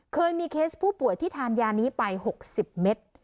เคยมีเคสผู้ป่วยที่ทานยานี้ไป๖๐เมตร